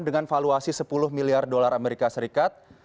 dengan valuasi sepuluh miliar dolar amerika serikat